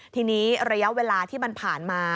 ทีนี้ระยะเวลาที่มันผ่านมา